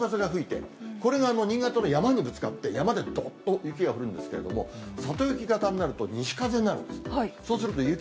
そうすると、冬型というと北西の風が吹いて、これが新潟の山にぶつかって、山でどっと雪が降るんですけれども、里雪型になると、西風になるんです。